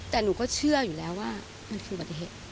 แต่หนูก็เชื่ออยู่แล้วว่ามันคืออุบัติเหตุ